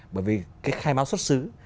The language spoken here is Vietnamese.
bởi vì cái khai báo xuất xứ